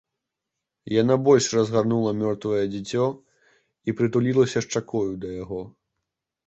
Яна больш разгарнула мёртвае дзіцё і прытулілася шчакою да яго.